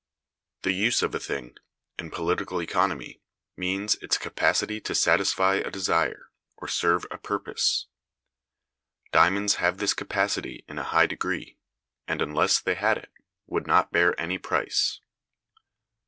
The use of a thing, in political economy, means its capacity to satisfy a desire, or serve a purpose. Diamonds have this capacity in a high degree, and, unless they had it, would not bear any price.